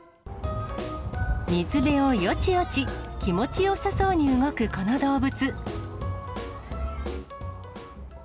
水辺をよちよち、気持ちよさそうに動くこの動物。